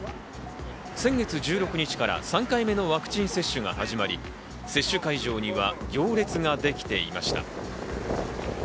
先月１６日から３回目のワクチン接種が始まり、接種会場には行列ができていました。